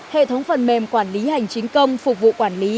hệ thống phần mềm quản lý hành chính công phục vụ quản lý